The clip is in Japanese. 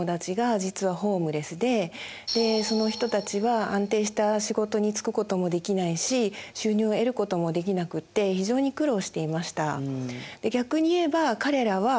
でその人たちは安定した仕事に就くこともできないし収入を得ることもできなくって非常に苦労していました。